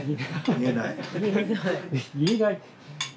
言えない？